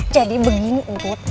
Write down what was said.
jadi begini umpuk